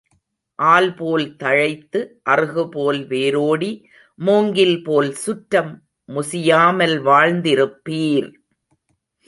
ஆல்போல் தழைத்து அறுகுபோல் வேரோடி மூங்கில்போல் சுற்றம் முசியாமல் வாழ்ந்திருப்பீர்.